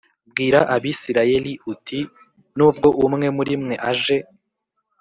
bwira Abisirayeli uti nubwo umwe muri mwe aje